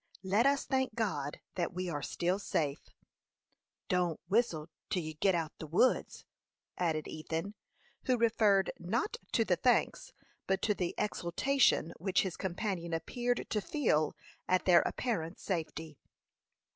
"Let us thank God that we are still safe." "Don't whistle till you get out o' the woods," added Ethan, who referred, not to the thanks, but to the exultation which his companion appeared to feel at their apparent safety.